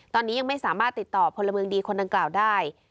ตอนนี้ยังไม่สามารถติดต่อพลเมืองดีคนดังกล่าวได้